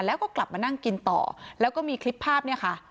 แล้วก็กลับมานั่งกินต่อแล้วก็มีคลิปภาพเนี่ยค่ะ